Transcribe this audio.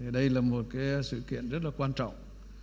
đây là một cái sự kiện rất là quan trọng